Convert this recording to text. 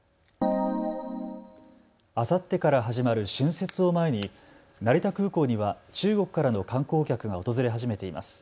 あさってから始まる春節を前に成田空港には中国からの観光客が訪れはじめています。